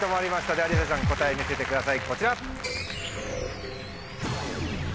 じゃありさちゃん答え見せてくださいこちら。